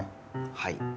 はい。